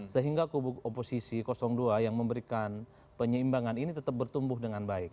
sehingga kubu oposisi dua yang memberikan penyeimbangan ini tetap bertumbuh dengan baik